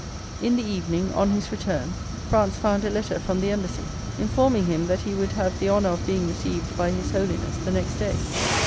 In the evening, on his return, Franz found a letter from the embassy, informing him that he would have the honor of being received by his holiness the next day.